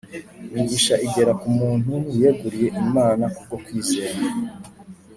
. Imigisha igera ku muntu wiyeguriye Imana kubwo kwizera